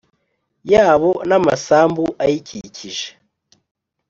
Yabo n amasambu ayikikije